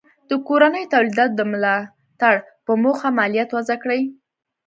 د کورنیو تولیداتو د ملاتړ په موخه مالیات وضع کړي.